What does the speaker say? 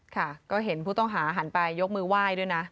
ค่ะก็เห็นผู้ต้องหาหันไปยกมือไหว้ด้วยนะ